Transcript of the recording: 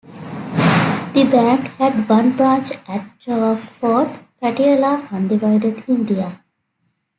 The bank had one branch at Chowk Fort, Patiala, Undivided India.